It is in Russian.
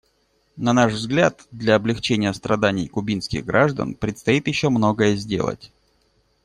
На наш взгляд, для облегчения страданий кубинских граждан предстоит еще многое сделать.